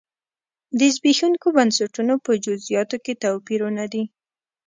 د زبېښونکو بنسټونو په جزییاتو کې توپیرونه دي.